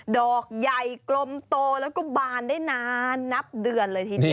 ดอกใหญ่กลมโตแล้วก็บานได้นานนับเดือนเลยทีเดียว